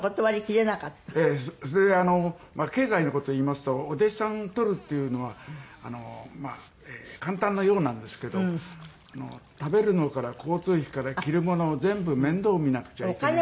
それで経済の事言いますとお弟子さん取るっていうのは簡単なようなんですけど食べるのから交通費から着るものを全部面倒見なくちゃいけない。